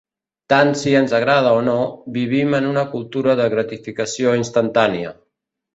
Tant si ens agrada o no, vivim en una cultura de gratificació instantània.